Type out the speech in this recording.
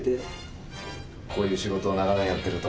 こういう仕事を長年やってると。